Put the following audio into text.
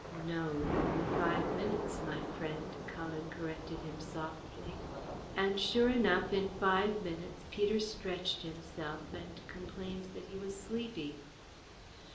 "No, only five minutes, my friend," Cullen corrected him, softly; and sure enough in five minutes Peter stretched himself and complained that he was sleepy.